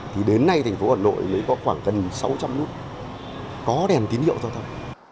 thì đến nay thành phố hà nội mới có khoảng gần sáu trăm linh nút có đèn tín hiệu giao thông